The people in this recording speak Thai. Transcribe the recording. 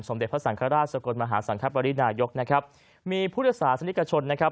สมเด็จพระสังคราชสกรมาหาสังครับวรินาโยคนะครับมีผู้ลักษณะสนิทกชนนะครับ